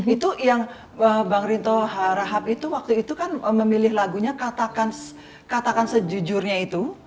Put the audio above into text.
itu yang bang rinto rahab itu waktu itu kan memilih lagunya katakan sejujurnya itu